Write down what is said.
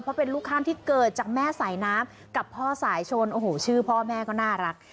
เพราะเป็นลูกข้ามที่เกิดจากแม่สายน้ำกับพ่อสายชนโอ้โหชื่อพ่อแม่ก็น่ารัก